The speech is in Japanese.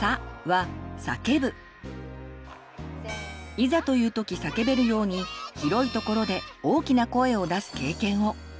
いざというときさけべるように広いところで大きな声を出す経験を。